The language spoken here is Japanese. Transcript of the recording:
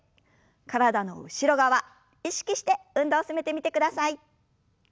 体の後ろ側意識して運動を進めてみてください。